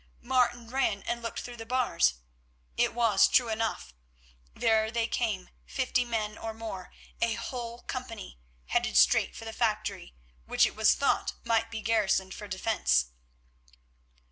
Martin ran and looked through the bars. It was true enough. There they came, fifty men or more, a whole company, headed straight for the factory, which it was thought might be garrisoned for defence.